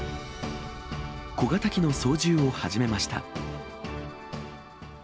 小型機の操縦を始めました。